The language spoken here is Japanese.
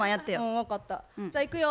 じゃあいくよ。